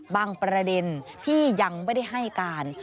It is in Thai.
ประเด็นที่ยังไม่ได้ให้การ